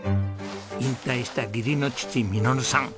引退した義理の父實さん。